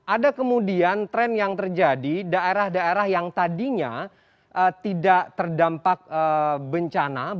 ada kemudian tren yang terjadi daerah daerah yang tadinya tidak terdampak bencana